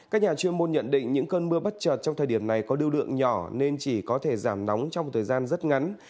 các nhà chuyên môn nhận định những cơn mưa bắt chật trong thời điểm này có đưu lượng nhỏ nên chỉ có thể giảm nóng trong thời gian rất ngắn